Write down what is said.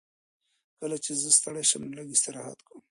کله چې زه ستړی شم نو لږ استراحت کوم.